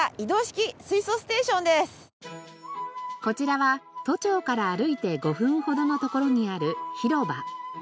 こちらは都庁から歩いて５分ほどの所にある広場。